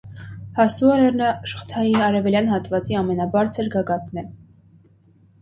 Յասուա լեռնաշղթայի արևելյան հատվածի ամենաբարձր գագաթն է։